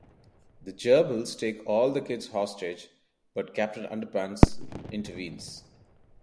The gerbils take all the kids hostage but Captain Underpants intervenes.